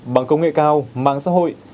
bằng công nghệ cao mạng xã hội